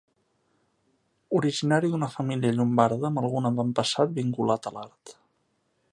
Originari d'una família llombarda amb algun avantpassat vinculat a l'art.